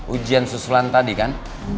ujian susulan tadi kan